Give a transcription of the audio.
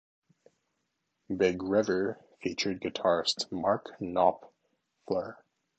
"Big River" featured guitarist Mark Knopfler.